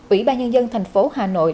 ủy ban nhân dân thành phố hà nội